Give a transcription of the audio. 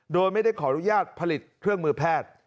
โดยไม่ได้ขออนุญาตผลิตเครื่องมือแพทย์